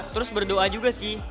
terus berdoa juga sih